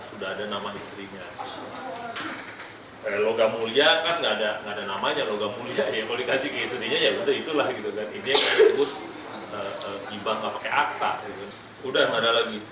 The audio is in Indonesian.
udah ada lagi